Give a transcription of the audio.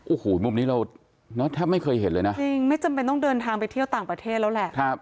โอ้โหมุมนี้เราแทบไม่เคยเห็นเลยนะจริงไม่จำเป็นต้องเดินทางไปเที่ยวต่างประเทศแล้วแหละ